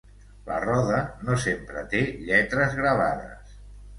La roda no sempre té lletres gravades.